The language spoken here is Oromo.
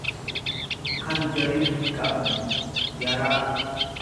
kan jabina hinqabne, yaraa.